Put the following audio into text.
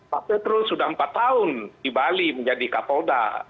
pak petrus sudah empat tahun di bali menjadi kapolda